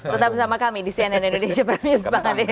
tetap bersama kami di cnn indonesia prime news